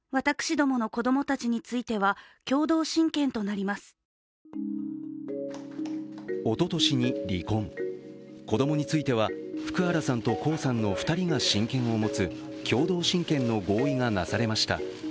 しかしおととしに離婚、子供については福原さんと江さんの２人が親権を持つ共同親権の合意がなされました。